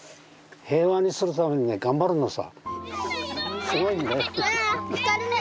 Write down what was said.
平和にするためにね頑張るのさ。